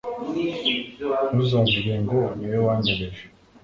ntuzavuge ngo ni we wanyobeje